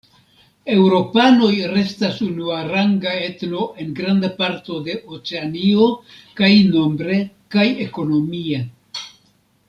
Eŭropanoj restas unuaranga etno en granda parto de Oceanio, kaj nombre kaj ekonomie.